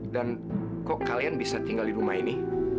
dan kok kalian bisa tinggal di rumah ini